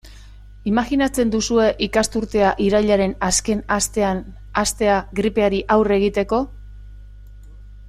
Imajinatzen duzue ikasturtea irailaren azken astean hastea gripeari aurre egiteko?